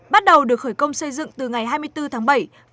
bắt đầu được khởi công xây dựng từ ngày hai mươi bốn tháng bảy